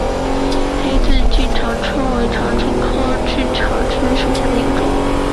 黑盾梭长蝽为长蝽科梭长蝽属下的一个种。